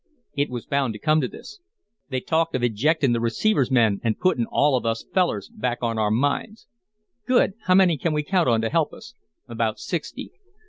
"It was bound to come to this." "They talked of ejectin' the receiver's men and puttin' all us fellers back on our mines." "Good. How many can we count on to help us?" "About sixty.